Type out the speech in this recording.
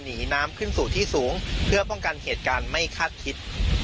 หนีน้ำขึ้นสู่ที่สูงเพื่อป้องกันเหตุการณ์ไม่คาดคิด